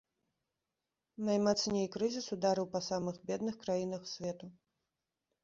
Наймацней крызіс ударыў па самых бедных краінах свету.